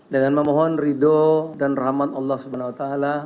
dengan memohon ridho dan rahmat allah swt